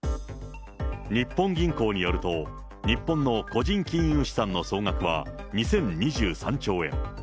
日本銀行によると、日本の個人金融資産の総額は２０２３兆円。